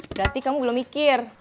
berarti kamu belum mikir